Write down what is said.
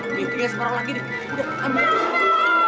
nih tinggal separoh lagi deh udah ambil